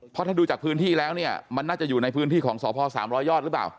เพราะถ้าดูจากพื้นที่แล้วเนี่ยมันน่าจะอยู่ในพื้นที่ของสพ๓๐๐ยอดหรือเปล่า